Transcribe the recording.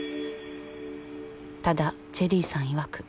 ただチェリーさんいわく。